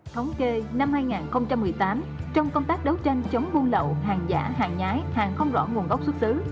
thống kê năm hai nghìn một mươi tám trong công tác đấu tranh chống buôn lậu hàng giả hàng nhái hàng không rõ nguồn gốc xuất xứ